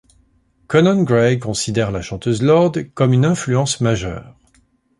Conan Gray considère la chanteuse Lorde comme une influence majeure.